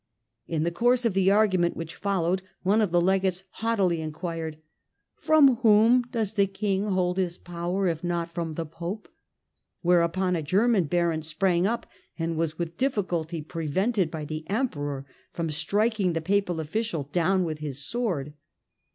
In the course of the argument which followed, one of the Legates haughtily enquired :" From whom does the King hold his power if not from the Pope ?" Whereupon a German baron sprang up and was with difficulty prevented by the Emperor from striking the Papal official down with his sword.